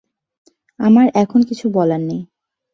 আমার এখন কিছু বলার নেই।